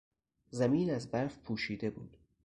زمین از برف پوشیده بود.